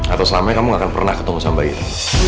atau selamanya kamu gak akan pernah ketemu sama itu